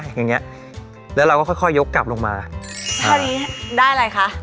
อย่างเงี้ยแล้วเราก็ค่อยค่อยยกกลับลงมาเท่านี้ได้อะไรคะ